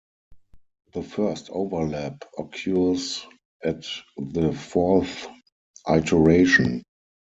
The first overlap occurs at the fourth iteration.